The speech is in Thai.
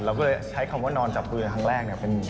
เราก็ใช้คำนวดอนจากคืนครั้งแรก